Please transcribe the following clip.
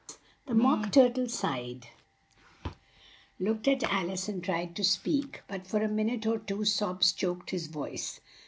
The Mock Tur tle sighed, looked at Al ice and tried to speak, but for a min ute or two sobs choked his voice.